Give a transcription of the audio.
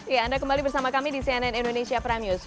ya anda kembali bersama kami di cnn indonesia prime news